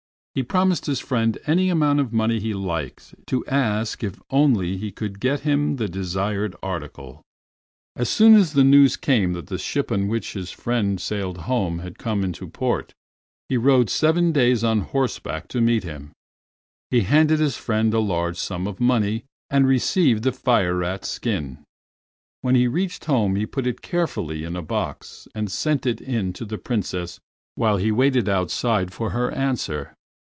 He promised his friend any amount of money he liked to ask if only he could get him the desired article. As soon as the news came that the ship on which his friend had sailed home had come into port, he rode seven days on horseback to meet him. He handed his friend a large sum of money, and received the fire rat's skin. When he reached home he put it carefully in a box and sent it in to the Princess while he waited outside for her answer.